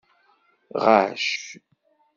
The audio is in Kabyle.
Ɣacc.